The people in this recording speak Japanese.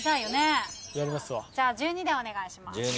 じゃあ１２でお願いします。